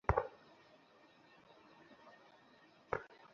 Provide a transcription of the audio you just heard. এমনকি সাহাবীগণের মুখমণ্ডলে তার প্রভাব পরিলক্ষিত হয়।